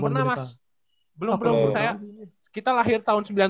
belum belum saya kita lahir tahun sembilan puluh tujuh mas